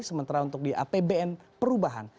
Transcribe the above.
sementara untuk di apbn perubahan